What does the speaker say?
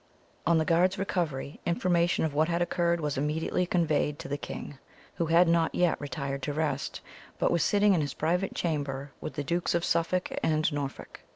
On the guard's recovery, information of what had occurred was immediately conveyed to the king, who had not yet retired to rest, but was sitting in his private chamber with the Dukes of Suffolk and Norfolk.